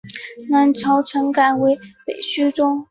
南朝陈改为北徐州。